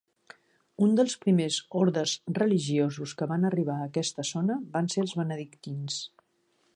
Un dels primers ordes religiosos que van arribar a aquesta zona van ser els benedictins.